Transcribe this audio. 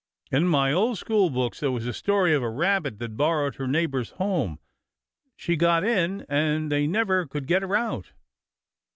In my old school books there was a story of a rabbit that borrowed her neighbour's home. She got in, and they never could get her out."